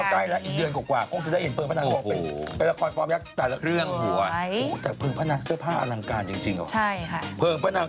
ใกล้แล้วนี่เนาะประมาณเดือนพฤศจิกาย